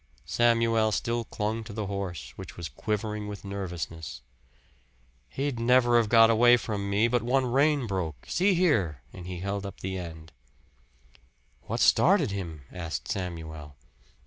Samuel still clung to the horse, which was quivering with nervousness. "He'd never have got away from me, but one rein broke. See here!" And he held up the end. "What started him?" asked Samuel.